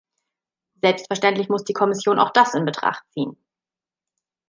Selbstverständlich muss die Kommission auch das in Betracht ziehen.